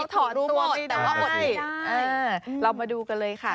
ที่ถอดรู้หมดแต่ว่าอดไม่ได้เออเรามาดูกันเลยค่ะ